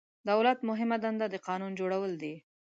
دولت مهمه دنده د قانون جوړول دي.